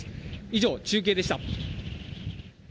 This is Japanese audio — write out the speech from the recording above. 以上、中継でした。